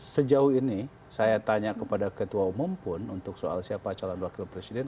sejauh ini saya tanya kepada ketua umum pun untuk soal siapa calon wakil presiden